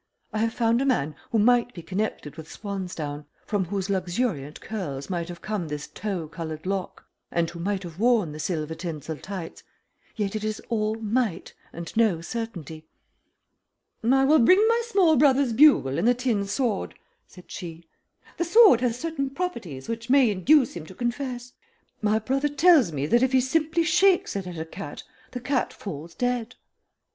"I have found a man who might be connected with swan's down, from whose luxuriant curls might have come this tow colored lock, and who might have worn the silver tinsel tights yet it is all MIGHT and no certainty." "I will bring my small brother's bugle and the tin sword," said she. "The sword has certain properties which may induce him to confess. My brother tells me that if he simply shakes it at a cat the cat falls dead."